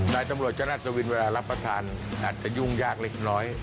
นายตำรวจเจ้าราชวินเวลารับประทานอาจจะยุ่งยากเล็กน้อย